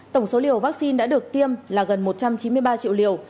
tổng số liều vaccine đã được tiêm là gần một trăm chín mươi ba triệu liều